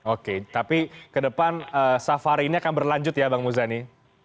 oke tapi ke depan safari ini akan berlanjut ya bang muzani